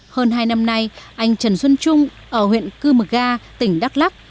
hơn hai năm nay anh trần xuân trung ở huyện cư mực ga tỉnh đắk lắc